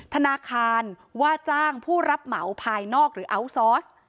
ธนาคารว่าจ้างผู้รับเหมาภายนอกหรืออัลซอส